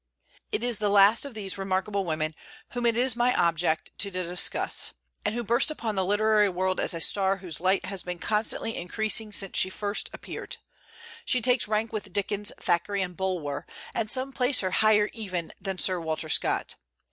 It is the last of these remarkable women whom it is my object to discuss, and who burst upon the literary world as a star whose light has been constantly increasing since she first appeared. She takes rank with Dickens, Thackeray, and Bulwer, and some place her higher even than Sir Walter Scott.